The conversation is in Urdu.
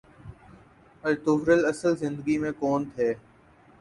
ارطغرل اصل زندگی میں کون تھے